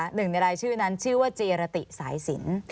หนึ่งในรายชื่อนั้นชื่อว่าจีรติสายสิน